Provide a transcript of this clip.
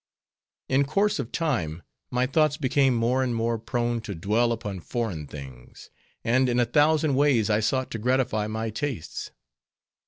In course of time, my thoughts became more and more prone to dwell upon foreign things; and in a thousand ways I sought to gratify my tastes.